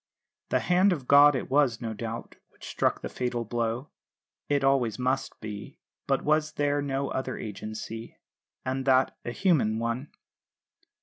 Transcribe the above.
"The hand of God" it was, no doubt, which struck the fatal blow it always must be; but was there no other agency, and that a human one?